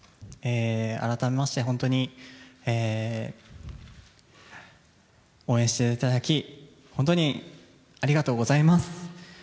改めまして、本当に応援していただき、本当にありがとうございます。